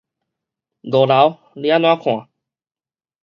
五樓你按怎看